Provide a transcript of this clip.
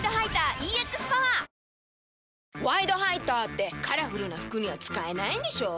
「ワイドハイター」ってカラフルな服には使えないんでしょ？